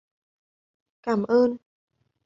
Cảm ơn